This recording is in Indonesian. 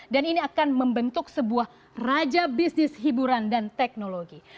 dan ini akan membentuk sebuah raja bisnis hiburan dan teknologi